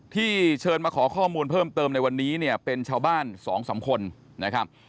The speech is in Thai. ที่เชิญมาขอข้อมูลเพิ่มเติมในวันนี้เนี่ยเป็นชาวบ้าน๒๓คนนะครับ